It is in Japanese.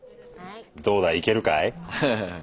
どうだいけるかい？